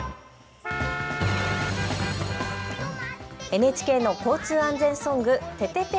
ＮＨＫの交通安全ソング、ててて！